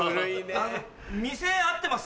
あの店合ってます？